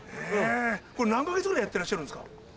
これ何か月ぐらいやってらっしゃるんですか？